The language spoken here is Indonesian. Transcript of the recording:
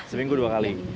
seminggu dua kali